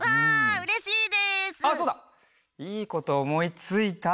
いいことおもいついた。